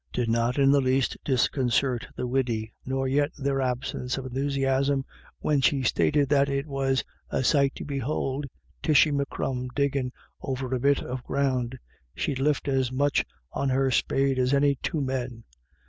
did not in the least disconcert the widdy, nor yet their absence of enthusiasm when she stated that it was " a sight to behould Tishy M'Crum diggin' over a bit of ground ; she'd lift as much on her spade as any two men."